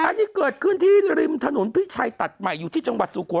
อันนี้เกิดขึ้นที่ริมถนนพิชัยตัดใหม่อยู่ที่จังหวัดสุโข